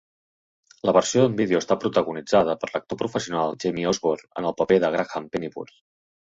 La versió en vídeo està protagonitzada per l'actor professional Jamie Osborn en el paper de Graham Pennyworth.